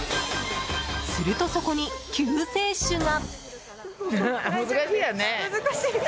すると、そこに救世主が。